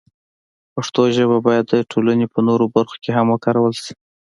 پښتو ژبه باید د ټولنې په نورو برخو کې هم وکارول شي.